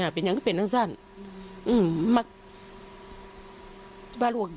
เป็นอย่างต้องทำ